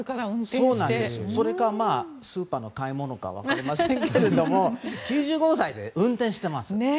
それか、スーパーの買い物か分かりませんけども９５歳で運転しています。